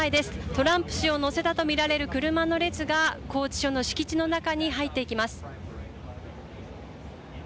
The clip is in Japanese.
トランプ氏を乗せたと見られる車の列が拘置所の敷地の中に入っていきます。